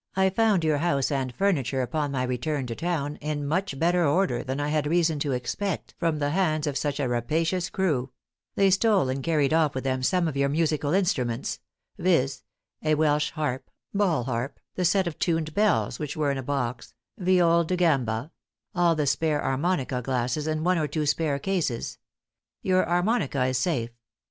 I found your house and furniture upon my return to town, in much better order than I had reason to expect from the hands of such a rapacious crew; they stole and carried off with them some of your musical instruments, viz: a Welsh harp, ball harp, the set of tuned bells which were in a box, viol degamba, all the spare armonica glasses and one or two spare cases. Your armonica is safe.